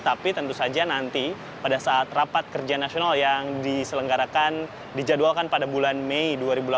tapi tentu saja nanti pada saat rapat kerja nasional yang diselenggarakan dijadwalkan pada bulan mei dua ribu delapan belas